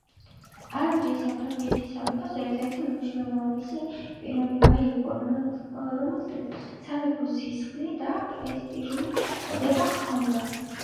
ანრი საფრანგეთის სამეფოს ერთ-ერთი უმნიშვნელოვანესი პიროვნება იყო, რომელსაც სამეფო სისხლი და პრესტიჟული წოდება ჰქონდა.